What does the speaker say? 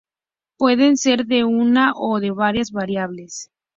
Pueden ser de una o de varias variables.